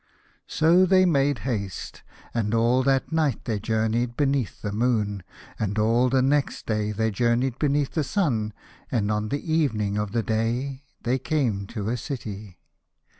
So they made haste, and all that night they journeyed beneath the moon, and all the next day they journeyed beneath the sun, and on the evening of the day they came to a city.